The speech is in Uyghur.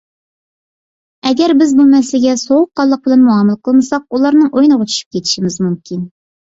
ئەگەر بىز بۇ مەسىلىگە سوغۇققانلىق بىلەن مۇئامىلە قىلمىساق، ئۇلارنىڭ ئويۇنىغا چۈشۈپ كېتىشىمىز مۇمكىن.